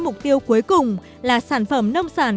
mục tiêu cuối cùng là sản phẩm nông sản